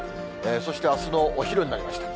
そしてあすのお昼になりました。